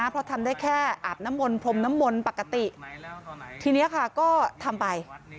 เพราะทำได้แค่อาบน้ำมนพรมน้ำมนต์ปกติทีนี้ค่ะก็ทำไป